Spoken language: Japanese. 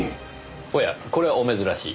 おやこれはお珍しい。